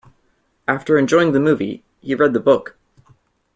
After enjoying the movie, he read the book.